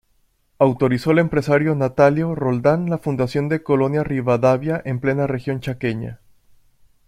Autorizó al empresario Natalio Roldán la fundación de Colonia Rivadavia en plena región chaqueña.